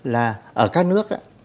là ở các nước